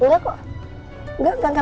enggak enggak enggak